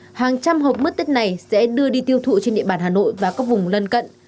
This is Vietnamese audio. trong thời hàng trăm hộp mứt tết này sẽ đưa đi tiêu thụ trên địa bàn hà nội và các vùng lân cận